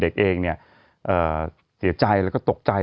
คุณซอโซไหมครับ